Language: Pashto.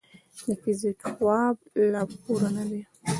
د فزیک خواب لا پوره نه دی.